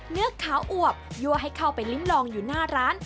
เนื้อขาวอวบยั่วให้เข้าไปลิ้มลองอยู่หน้าร้าน